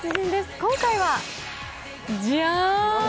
今回はジャーン！